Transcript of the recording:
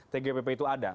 tgpp itu ada